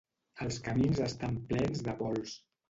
Els camins estan plens de pols